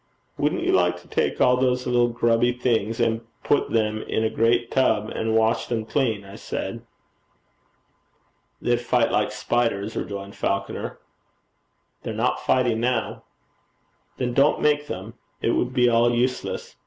'Wouldn't you like to take all those little grubby things, and put them in a great tub and wash them clean?' I said. 'They'd fight like spiders,' rejoined Falconer. 'They're not fighting now.' 'Then don't make them. It would be all useless.